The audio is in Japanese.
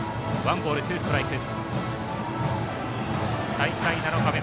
大会７日目。